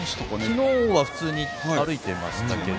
昨日は普通に歩いてましたけども。